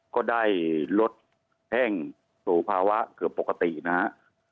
ก็ได้ลดแห้งสู่ภาวะเกือบปกตินะฮะ